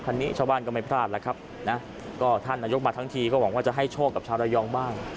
คันนี้ชาวบ้านก็ไม่พลาดแล้วครับนะก็ท่านนายกมาทั้งทีก็หวังว่าจะให้โชคกับชาวระยองบ้าง